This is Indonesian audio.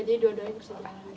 jadi dua duanya bisa jalanin